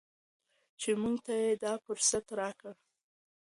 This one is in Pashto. چې موږ ته یې دا فرصت راکړ.